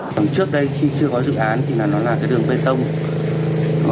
còn trước đây khi chưa có dự án thì nó là cái đường bê tông